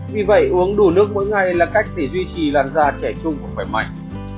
vì vậy uống đủ nước mỗi ngày là cách để duy trì đàn da trẻ trung và khỏe mạnh